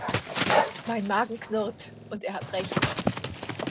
Mein Magen knurrt und er hat recht.